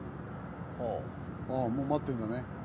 もう待ってんだね。